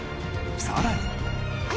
さらに。